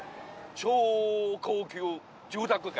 超高級住宅街。